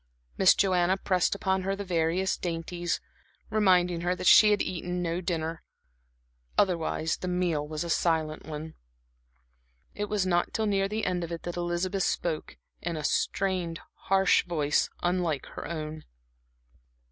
Miss Joanna pressed upon her the various dainties, reminding her that she had eaten no dinner; otherwise the meal was a silent one. It was not till near the end of it that Elizabeth spoke in a strained harsh voice unlike her own.